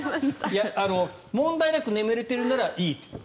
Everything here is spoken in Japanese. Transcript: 問題なく眠れているならいいと。